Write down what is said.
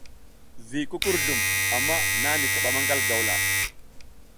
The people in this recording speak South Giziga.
Vi kukurzlum amma nani kaɓa maƞgal gawla.